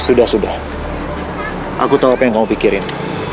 sudah sudah aku tahu apa yang kamu pikirin